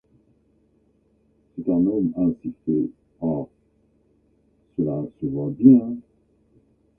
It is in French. C’est un homme ainsi fait, oh ! cela se voit bien !